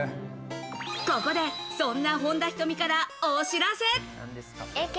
ここで、そんな本田仁美からお知らせ。